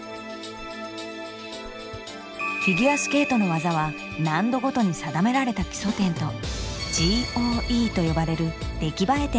フィギュアスケートの技は難度ごとに定められた基礎点とＧＯＥと呼ばれる出来栄え点の合計で採点される。